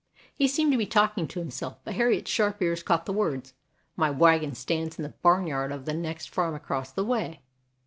He seemed to be talking to himself, but Harriet's sharp ears caught the words: "My wagon stands in the barnyard of the next farm across the way.